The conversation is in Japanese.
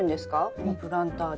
このプランターで。